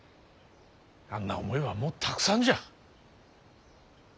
あんな思いはもうたくさんじゃ。